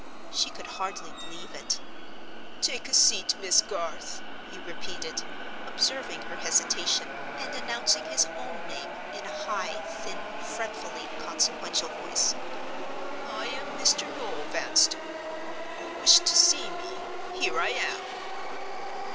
She could hardly believe it. "Take a seat, Miss Garth," he repeated, observing her hesitation, and announcing his own name in a high, thin, fretfully consequential voice: "I am Mr. Noel Vanstone. You wished to see me—here I am!"